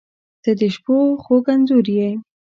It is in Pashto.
• ته د شپو خوږ انځور یې.